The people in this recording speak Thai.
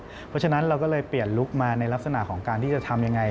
เพราะฉะนั้นเราก็เลยเปลี่ยนลุคมาในลักษณะของการที่จะทำยังไง